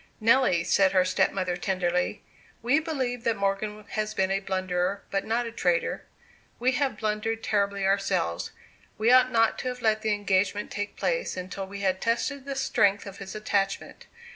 "Nelly," said her stepmother, tenderly, "we believe that Morgan has been a blunderer, but not a traitor. We have blundered terribly ourselves. We ought not to have let the engagement take place until we had tested the strength of his attachment.